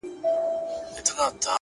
ډېر پخوا په ولايت کي د تاتارو،